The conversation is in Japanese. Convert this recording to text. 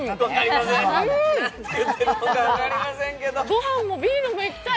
ご飯もビールもいきたい！